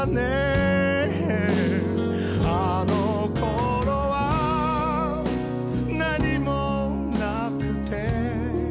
「あの頃はなにもなくて」